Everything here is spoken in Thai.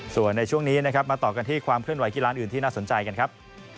ส่วนในช่วงนี้นะครับมาต่อกันที่ความเคลื่อนไหกีฬาอื่นที่น่าสนใจกันครับ